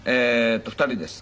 ２人です。